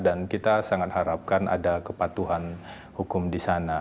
dan kita sangat harapkan ada kepatuhan hukum di sana